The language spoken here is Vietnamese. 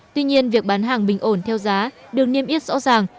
tuy nhiên việc bán hàng bình ổn theo giá được niêm yết rõ ràng